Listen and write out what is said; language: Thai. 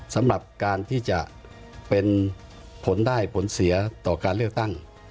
สำหรับการที่จะเป็นผลได้ผลเสียต่อการเลือกตั้ง